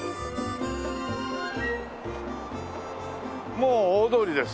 もう大通りです